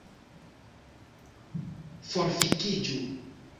Forfikiĝu